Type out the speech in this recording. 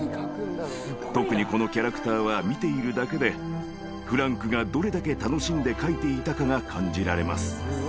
特にこのキャラクターは見ているだけでフランクがどれだけ楽しんで描いていたかが感じられます。